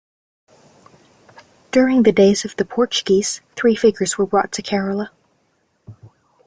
During the days of the Portuguese, three figures were brought to Kerala.